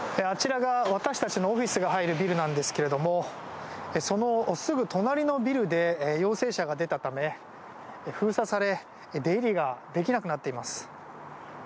あちらが私たちのオフィスが入るビルなんですけれどもそのすぐ隣のビルで陽性者が出たため封鎖され出入りができなくなっています。